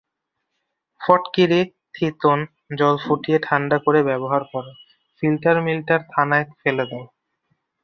ফটকিরি-থিতোন জল ফুটিয়ে ঠাণ্ডা করে ব্যবহার কর, ফিলটার-মিলটার খানায় ফেলে দাও।